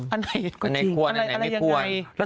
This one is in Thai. อันไหนก็จริงอันไหนไม่กลัว